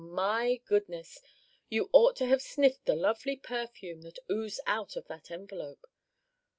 my goodness! you ought to have sniffed the lovely perfume that oozed out of that envelope.